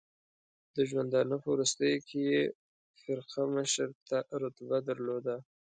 د ژوندانه په وروستیو کې یې فرقه مشر رتبه درلوده.